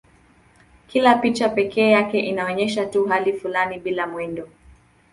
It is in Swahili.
Kila picha pekee yake inaonyesha tu hali fulani bila mwendo.